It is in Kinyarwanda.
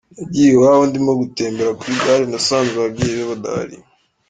Nagiye iwabo ndimo gutembera ku igare nasanze ababyeyi be badahari.